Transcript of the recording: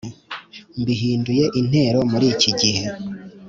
Mbihinduye intero muri ikigihe